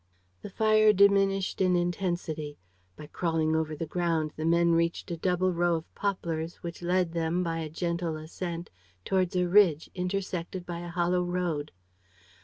The fire diminished in intensity. By crawling over the ground, the men reached a double row of poplars which led them, by a gentle ascent, towards a ridge intersected by a hollow road.